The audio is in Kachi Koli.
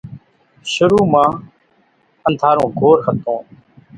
شرو مان انڌارو گھور ھتون